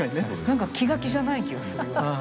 なんか気が気じゃない気がするような。